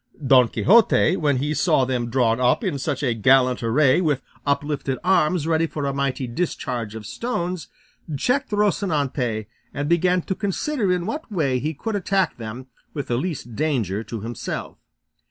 Don Quixote, when he saw them drawn up in such a gallant array with uplifted arms ready for a mighty discharge of stones, checked Rocinante and began to consider in what way he could attack them with the least danger to himself.